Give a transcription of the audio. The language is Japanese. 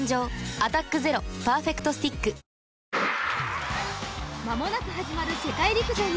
「アタックＺＥＲＯパーフェクトスティック」まもなく始まる世界陸上。